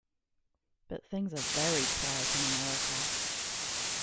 But things are very quiet in America.